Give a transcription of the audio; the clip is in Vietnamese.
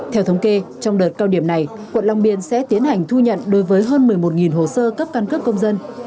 theo thống kê trong đợt cao điểm này quận long biên sẽ tiến hành thu nhận đối với hơn một mươi một hồ sơ cấp căn cước công dân